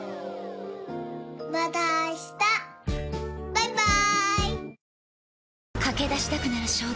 バイバーイ。